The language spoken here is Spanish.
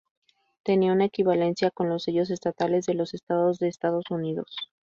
Tenía una equivalencia con los sellos estatales de los estados de Estados Unidos.